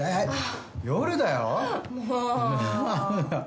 夜だよ？